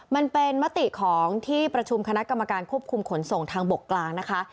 มันเป็นมติของที่ประชุมคณะกรรมการควบคุมขนส่งทางบกกลางนะคะ